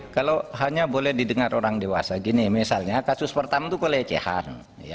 kalau hanya boleh didengar orang dewasa gini misalnya kasus pertama itu pelecehan